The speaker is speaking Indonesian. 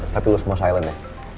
tapi lo semua silent ya